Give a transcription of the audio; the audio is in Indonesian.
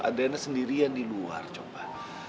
adanya sendirian di luar coba